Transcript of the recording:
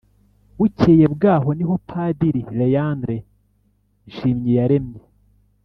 bukeye bwaho, niho padiri léandre nshimyiyaremye